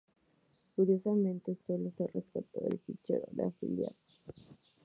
Curiosamente, sólo se rescató el fichero de afiliados.